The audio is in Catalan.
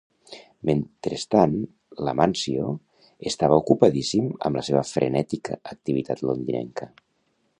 Mentrestant l'Amáncio estava ocupadíssim amb la seva frenètica activitat londinenca.